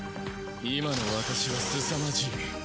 今の私はすさまじい。